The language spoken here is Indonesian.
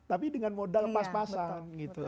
tapi dengan modal pas pasan gitu